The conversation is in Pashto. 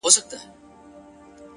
راسه چي الهام مي د زړه ور مات كـړ’